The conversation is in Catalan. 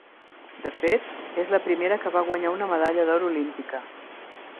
De fet, és la primera que va guanyar una medalla d’or olímpica.